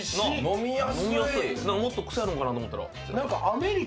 もっと癖あるのかなと思ったら。